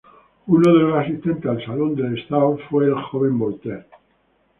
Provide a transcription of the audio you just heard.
Uno de los asistentes al salón de Sceaux fue el joven Voltaire.